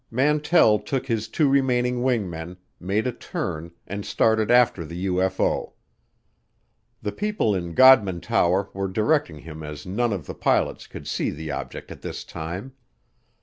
Mantell took his two remaining wing men, made a turn, and started after the UFO. The people in Godman Tower were directing him as none of the pilots could see the object at this time.